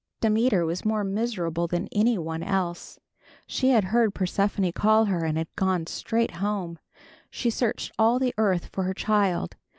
Demeter was more miserable than any one else. She had heard Persephone call her, and had gone straight home. She searched all the earth for her child.